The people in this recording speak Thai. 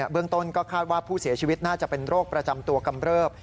เรื่องต้นก็คาดว่าผู้เสียชีวิตน่าจะเป็นโรคประจำตัวกำเริบ